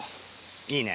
いいね。